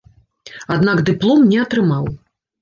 Аднак дыплом не атрымаў.